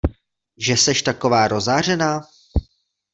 Že seš taková rozzářená?